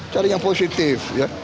cari yang positif ya